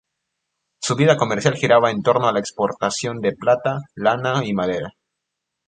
Su vida comercial giraba en torno a la exportación de plata, lana y madera.